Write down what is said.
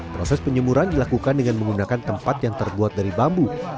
proses penjemuran dilakukan dengan menggunakan tempat yang terbuat dari bambu